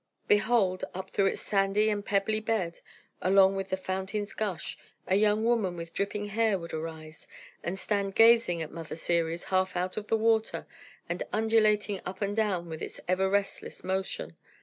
Behold, up through its sandy and pebbly bed, along with the fountain's gush, a young woman with dripping hair would arise, and stand gazing at Mother Ceres, half out of the water, and undulating up and down with its ever restless motion.